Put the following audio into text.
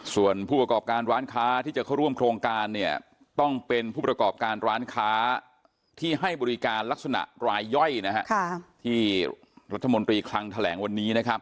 ส่วนผู้ประกอบการร้านค้าที่จะเข้าร่วมโครงการเนี่ยต้องเป็นผู้ประกอบการร้านค้าที่ให้บริการลักษณะรายย่อยนะฮะที่รัฐมนตรีคลังแถลงวันนี้นะครับ